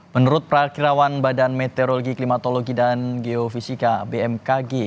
menurut perakirawan badan meteorologi klimatologi dan geofisika bmkg